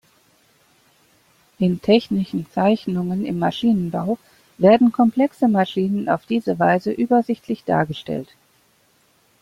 In technischen Zeichnungen im Maschinenbau werden komplexe Maschinen auf diese Weise übersichtlich dargestellt.